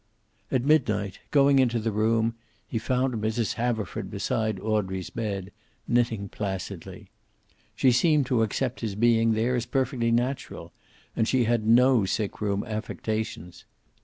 At midnight, going into the room, he found Mrs. Haverford beside Audrey's bed, knitting placidly. She seemed to accept his being there as perfectly natural, and she had no sick room affectations.